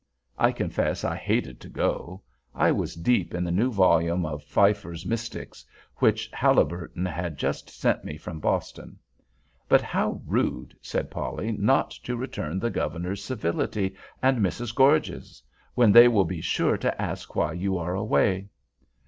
I confess I hated to go. I was deep in the new volume of Pfeiffer's Mystics, which Haliburton had just sent me from Boston. "But how rude," said Polly, "not to return the Governor's civility and Mrs. Gorges's, when they will be sure to ask why you are away!"